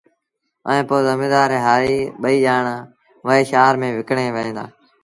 ائيٚݩ پو زميݩدآر هآريٚ ٻئيٚ ڄآڻآݩ وهي شآهر ميݩ وڪڻڻ وهيݩ دآ